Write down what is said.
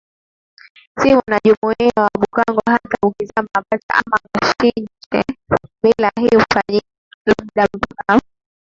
si mwanajumuiya wa Bhukango hata ukizaa mapacha ama kashinje mila hii hufanyiLabda mpaka